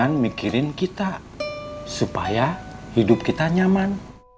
pikirin kita supaya hidup kita nyaman